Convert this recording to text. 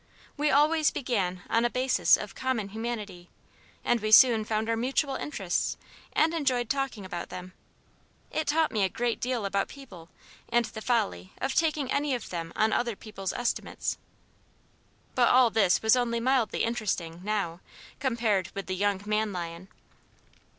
We always began on a basis of common humanity, and we soon found our mutual interests, and enjoyed talking about them. It taught me a great deal about people and the folly of taking any of them on other people's estimates." But all this was only mildly interesting, now, compared with "the young man lion."